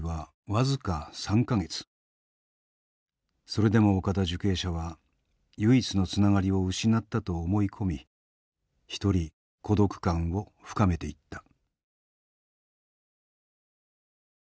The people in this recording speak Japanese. それでも岡田受刑者は唯一のつながりを失ったと思い込み一人孤独感を深めていった。